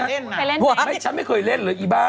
คุณหมอโดนกระช่าคุณหมอโดนกระช่า